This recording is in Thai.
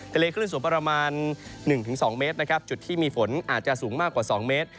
ทะเลขึ้นส่วนประมาณ๑๒เมตรจุดที่มีฝนอาจจะสูงมากกว่า๒เมตร